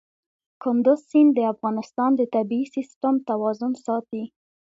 کندز سیند د افغانستان د طبعي سیسټم توازن ساتي.